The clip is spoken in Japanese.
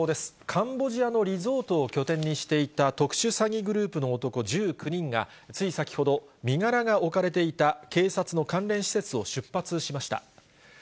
カンボジアのリゾートを拠点にしていた特殊詐欺グループの男１９人がつい先ほど、身柄が置かれていた警察の関連施設を出発しました。